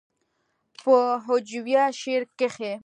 پۀ هجويه شعر کښې